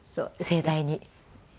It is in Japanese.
盛大に。